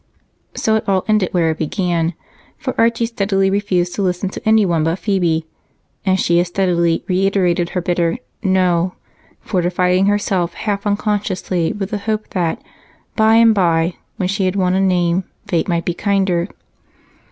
So it all ended where it began, for Archie steadily refused to listen to anyone but Phebe, and she as steadily reiterated her bitter "No!" fortifying herself half unconsciously with the hope that, by and by, when she had won a name, fate might be kinder.